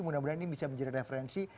mudah mudahan ini bisa menjadi referensi